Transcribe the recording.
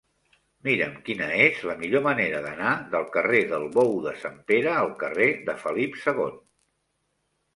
Mira'm quina és la millor manera d'anar del carrer del Bou de Sant Pere al carrer de Felip II.